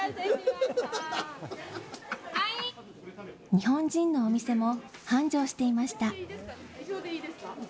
日本人のお店も繁盛していました。